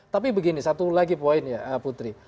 tapi begini satu lagi poin ya putri